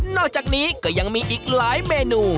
อกจากนี้ก็ยังมีอีกหลายเมนู